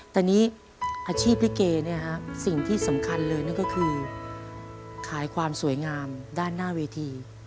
แต่นี่อาชีพลิเกสิ่งที่สำคัญเลยนั่นก็คือขายความสวยงามด้านหน้าเวที